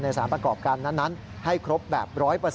สารประกอบการนั้นให้ครบแบบ๑๐๐